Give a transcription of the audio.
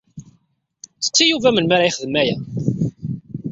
Sseqsi Yuba melmi ara yexdem aya.